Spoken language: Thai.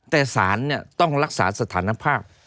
แต่สารต้องรักษาสถานภาพ